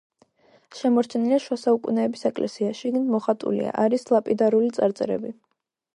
შემორჩენილია შუა საუკუნეების ეკლესია, შიგნით მოხატულია, არის ლაპიდარული წარწერები.